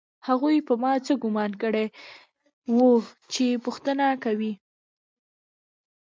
هغوی په ما څه ګومان کړی و چې پوښتنه کوي